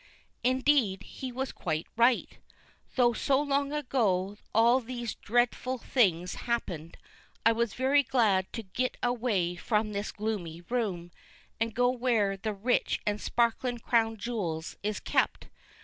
Indeed, he was quite right. Tho' so long ago all these drefful things happened, I was very glad to git away from this gloomy room, and go where the rich and sparklin Crown Jewils is kept.